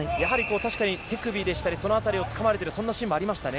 手首でしたりその辺りを掴まれているシーンがありましたね。